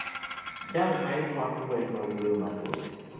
Jal ma itwak go ema wuoyo mathoth.